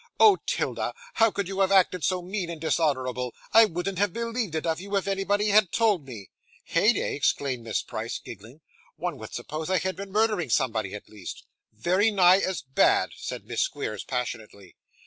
'Oh! 'Tilda, how could you have acted so mean and dishonourable! I wouldn't have believed it of you, if anybody had told me.' 'Heyday!' exclaimed Miss Price, giggling. 'One would suppose I had been murdering somebody at least.' 'Very nigh as bad,' said Miss Squeers passionately.